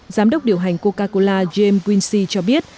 giám đốc điều hành coca cola james quinsy cho biết